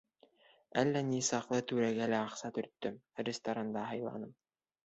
Әллә ни саҡлы түрәгә лә аҡса төрттөм, ресторанда һыйланым.